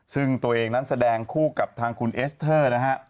ซึ่งตัวเองนั้นแสดงคู่กับทางคุณเอสเตอร์นะฮะ